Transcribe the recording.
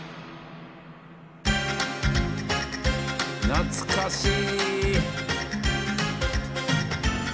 懐かしい。